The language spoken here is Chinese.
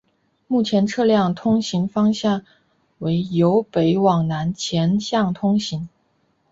目前车辆通行方向为由北往南单向通行。